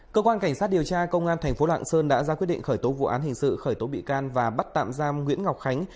cơ quan cảnh sát điều tra công an tp lạng sơn đã ra quyết định khởi tố vụ án hình sự khởi tố bị can và bắt tạm giam nguyễn ngọc khánh